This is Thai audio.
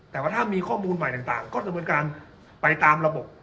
แต่ว่าถ้ามีข้อมูลใหม่ต่างต่างก็เหมือนกันไปตามระบบ